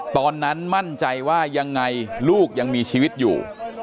ตอนนั้นมั่นใจว่ายังไงลูกยังมีชีวิตอยู่